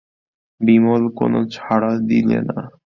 বিমল কোনো সাড়া দিলে না।